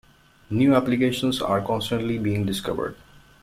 New applications are constantly being discovered.